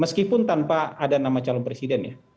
meskipun tanpa ada nama calon presiden ya